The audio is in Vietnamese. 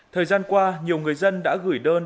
thời gian qua nhiều người dân đã gửi đơn